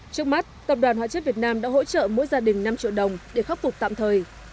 trước mắt tập đoàn họa chất việt nam đã hỗ trợ mỗi gia đình năm triệu đồng để khắc phục tạm thời